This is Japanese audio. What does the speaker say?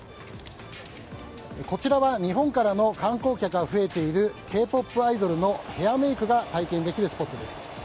こちらは日本からの観光客が増えているＫ‐ＰＯＰアイドルのヘアメイクが体験できるスポットです。